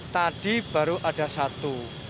tadi baru ada satu